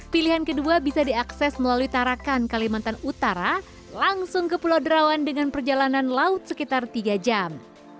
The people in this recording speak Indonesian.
pilihan kedua bisa diakses melalui tarakan kalimantan utara langsung ke pulau derawan dengan perjalanan laut sekitar tiga jam